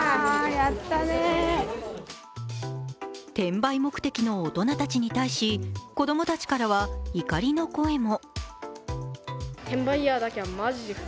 転売目的の大人たちに対し、子供たちからは怒りの声も。